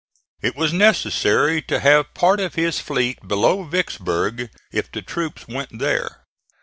It was necessary to have part of his fleet below Vicksburg if the troops went there.